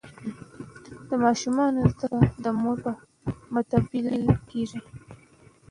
د ماشومانو زده کړې د مور په مټو پیل کیږي.